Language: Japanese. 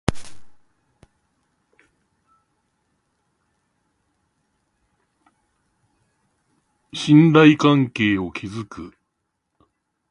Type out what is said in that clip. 信頼関係を築く